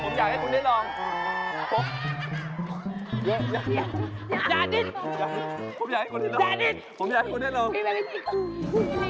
ท้องจิ๊กไอล์ราคาถูกที่สุด